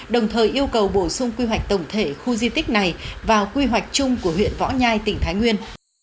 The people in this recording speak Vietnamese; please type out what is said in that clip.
đồng thời yêu cầu bổ sung quy hoạch tổng thể khu di tích này vào quy hoạch chung của huyện võ nhai tỉnh thái nguyên